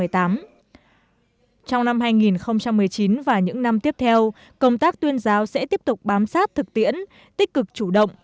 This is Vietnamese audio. trong năm hai nghìn một mươi chín và những năm tiếp theo công tác tuyên giáo sẽ tiếp tục bám sát thực tiễn tích cực chủ động